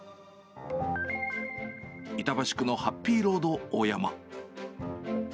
板橋区のハッピーロード大山。